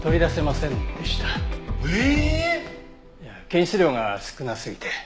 検出量が少なすぎて。